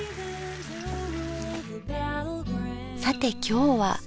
さて今日は。